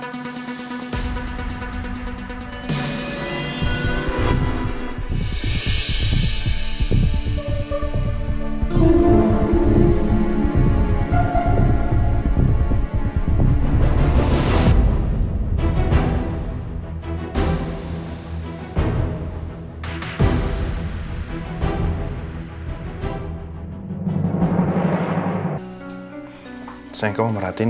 bapak bapak bapak